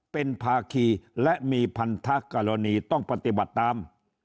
เป็นภาคีและมีพันธกรณีต้องปฏิบัติตาม